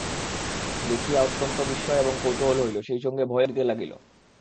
দেখিয়া অত্যন্ত বিস্ময় এবং কৌতূহল হইল, সেইসঙ্গে ভয়ও করিতে লাগিল।